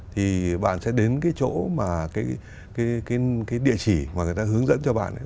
thì bạn sẽ đến cái chỗ mà cái địa chỉ mà người ta hướng dẫn cho bạn ấy